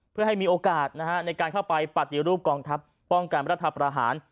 เพื่อให้มีโอกาสในการเข้าไปปฏิรูปกองทัพป้องกันรัฐประหาร